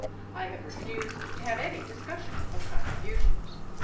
I have refused to have any discussion of contributions.